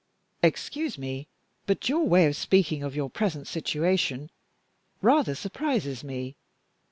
"Excuse me, but your way of speaking of your present situation rather surprises me.